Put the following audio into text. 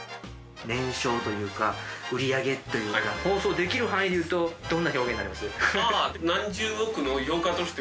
年商というか売り上げというか放送できる範囲で言うとどんな表現になります？